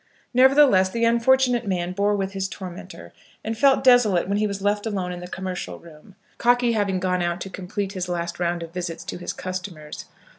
Nevertheless, the unfortunate man bore with his tormentor, and felt desolate when he was left alone in the commercial room, Cockey having gone out to complete his last round of visits to his customers.